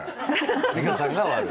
美香さんが悪い。